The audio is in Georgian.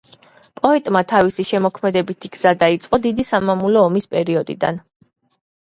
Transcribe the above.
პოეტმა თავისი შემოქმედებითი გზა დაიწყო დიდი სამამულო ომის პერიოდიდან.